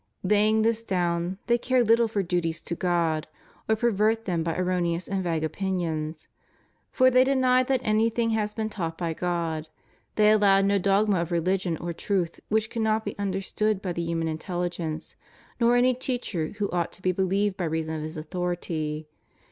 Laying this down, they care little for duties to God, or pervert them by erroneous and vague opinions. For they deny that anything ha« been taught by God; they allow no dogma of religion or truth which cannot be understood by the human intelli gence, nor any teacher who ought to be believed by reason of his authority.